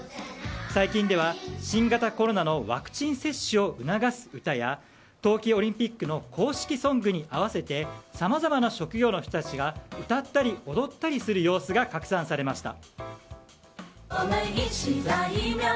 最近では新型コロナのワクチン接種を促す歌や冬季オリンピックの公式ソングに合わせてさまざまな職業の人たちが歌ったり踊ったりする様子が拡散されました。